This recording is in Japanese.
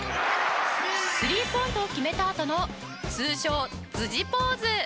スリーポイントを決めたあとの通称。